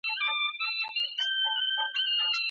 ایا افغان سوداګر ممیز صادروي؟